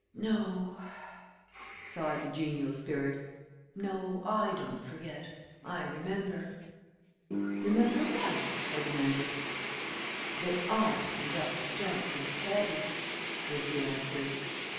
"No," sighed the genial spirit. "No, I don't forget. I remember." "Remember what?" I demanded. "That I am Dr. Johnson's caddy!" was the answer.